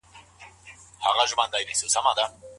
اقتصاد پوهنځۍ پرته له پلانه نه پراخیږي.